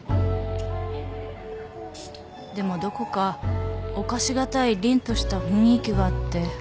でもどこか侵し難いりんとした雰囲気があって。